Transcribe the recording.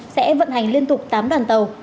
sẽ vận hành liên tục tám đoàn tàu